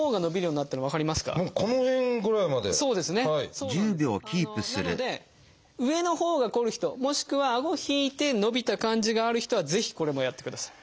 なので上のほうがこる人もしくはあご引いて伸びた感じがある人はぜひこれもやってください。